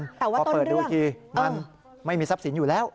แต่ว่าต้นเรื่องพอเปิดดูทีมันไม่มีทรัพย์สินอยู่แล้ว